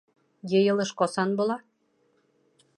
Йыйылыш ҡасан була?